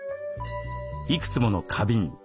いくつもの花瓶。